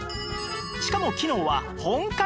しかも機能は本格派